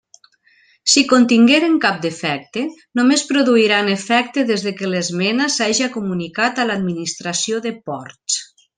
Si contingueren cap defecte, només produiran efecte des que l'esmena s'haja comunicat a l'administració de Ports.